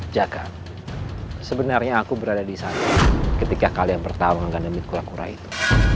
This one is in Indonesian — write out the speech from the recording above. jaga sebenarnya aku berada di sana ketika kalian bertarung dengan demi kura kura itu